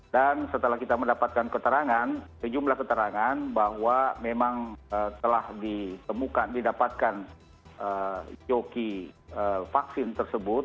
dan setelah kita mendapatkan keterangan sejumlah keterangan bahwa memang telah didapatkan joki vaksin tersebut